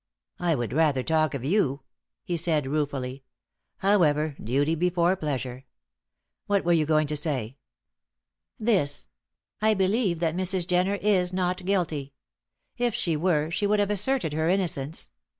"I would rather talk of you," he said, ruefully. "However, duty before pleasure. What were you going to say?" "This. I believe that Mrs. Jenner is not guilty. If she were, she would have asserted her innocence.